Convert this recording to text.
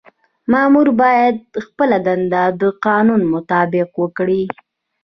مامور باید خپله دنده د قانون مطابق وکړي.